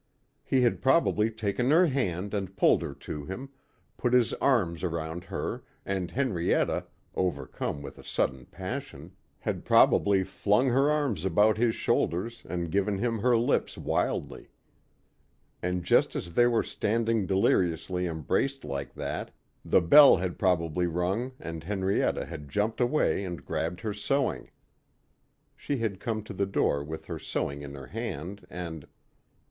He had probably taken her hand and pulled her to him, put his arms around her and Henrietta, overcome with a sudden passion, had probably flung her arms about his shoulders and given him her lips wildly. And just as they were standing deliriously embraced like that, the bell had probably rung and Henrietta had jumped away and grabbed her sewing. She had come to the door with her sewing in her hand and....